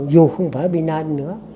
dù không phải pina nữa